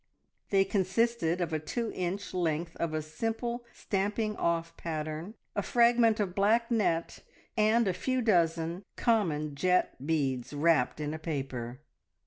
They consisted of a two inch length of a simple stamping off pattern, a fragment of black net, and a few dozen common jet beads, wrapped in a paper.